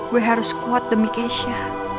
gue harus kuat demi kesha